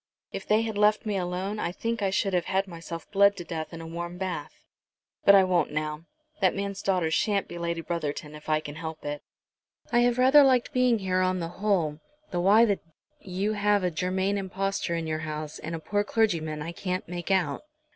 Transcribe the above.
If they had left me alone I think I should have had myself bled to death in a warm bath. But I won't now. That man's daughter shan't be Lady Brotherton if I can help it. I have rather liked being here on the whole, though why the d you should have a Germain impostor in your house, and a poor clergyman, I can't make out."